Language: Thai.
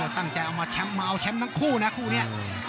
ตั้งใจเอามาแชมป์มาเอาแชมป์ทั้งคู่นะคู่นี้